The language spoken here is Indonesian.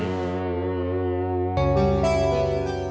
aduh mah bro